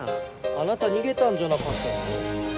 あなたにげたんじゃなかったの？